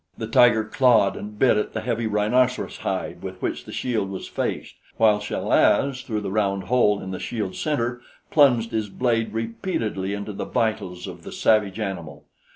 The tiger clawed and bit at the heavy rhinoceros hide with which the shield was faced, while Chal az, through the round hole in the shield's center, plunged his blade repeatedly into the vitals of the savage animal.